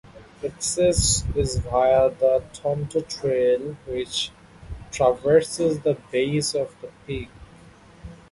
Access is via the Tonto Trail which traverses the base of the peak.